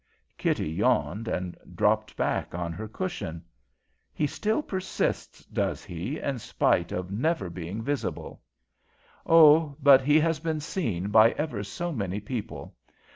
Kitty yawned and dropped back on her cushions. "He still persists, does he, in spite of never being visible?" "Oh, but he has been seen by ever so many people.